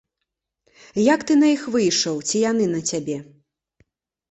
Як ты на іх выйшаў, ці яны на цябе?